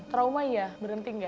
trauma ya berhenti nggak